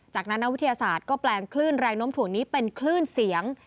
จากนั้นนักวิทยาศาสตร์ก็แปลงคลื่นแรงน้มถ่วงนี้เป็นคลื่นเสียง